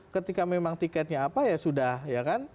ketika memang tiketnya apa ya sudah ya kan